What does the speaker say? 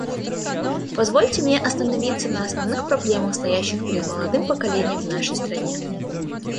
Позвольте мне остановиться на основных проблемах, стоящих перед молодым поколением в нашей стране.